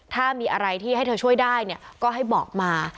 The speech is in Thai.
ถ้ามีอะไรที่ให้เธอช่วยได้เนี่ยก็ให้บอกมา